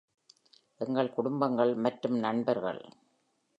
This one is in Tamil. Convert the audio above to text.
எங்கள் குடும்பங்கள் மற்றும் நண்பர்கள்.